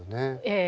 ええ。